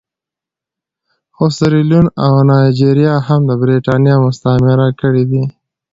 خو سیریلیون او نایجیریا هم برېټانیا مستعمره کړي دي.